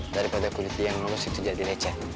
daripada kulit yang melusuk itu jadi lecah